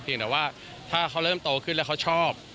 แต่ว่าถ้าเขาเริ่มโตขึ้นแล้วเขาชอบ